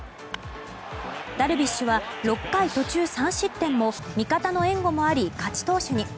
ダルビッシュは６回途中３失点も味方の援護もあり、勝ち投手に。